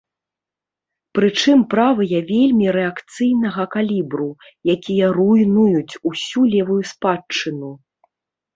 Прычым, правыя вельмі рэакцыйнага калібру, якія руйнуюць усю левую спадчыну.